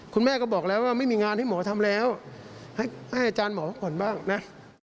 คุณแม่ก็บอกแล้วว่าไม่มีงานให้หมอทำแล้วให้อาจารย์หมอผ่อนบ้างนะ